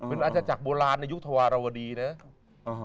อาจจะจากโบราณในยุคธวรรณวดีเนี่ย